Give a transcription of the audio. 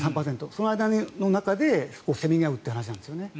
その間でせめぎ合うという話なんですよね。